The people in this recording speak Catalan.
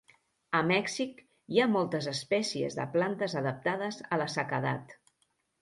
A Mèxic hi ha moltes espècies de plantes adaptades a la sequedat.